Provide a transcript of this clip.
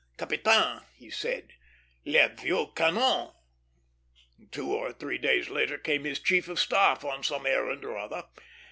"Capitaine," he said, "les vieux canons!" Two or three days later came his chief of staff on some errand or other.